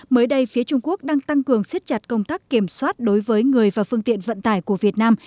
mới đây phía trung quốc đang tăng cường siết chặt công tác kiểm soát đối với người và phương tiện vận tải của việt nam